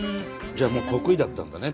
じゃあ得意だったんだね